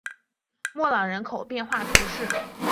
莫朗人口变化图示